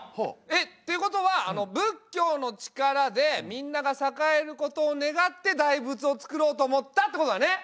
えっていうことは仏教の力でみんなが栄えることを願って大仏を造ろうと思ったってことだね？